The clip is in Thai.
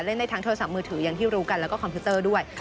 ในทางโทรศัพท์มือถืออย่างที่รู้กันแล้วก็คอมพิวเตอร์ด้วย